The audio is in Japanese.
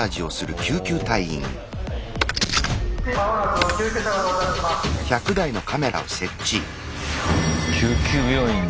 救急病院に。